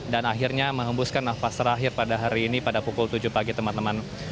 dan akhirnya menghembuskan nafas terakhir pada hari ini pada pukul tujuh pagi teman teman